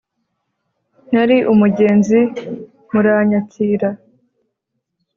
nari umugenzi muranyakira